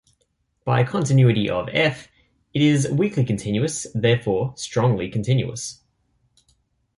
By continuity of "f", it is weakly continuous, therefore strongly continuous.